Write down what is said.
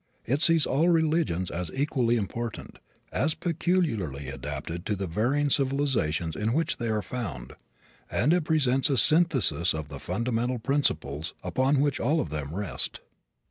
It sees all religions as equally important, as peculiarly adapted to the varying civilizations in which they are found, and it presents a synthesis of the fundamental principles upon which all of them rest.